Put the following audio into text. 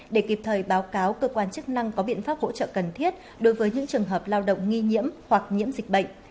để kịp thời báo cáo cơ quan chức năng có biện pháp hỗ trợ cần thiết đối với những trường hợp lao động nghi nhiễm hoặc nhiễm dịch bệnh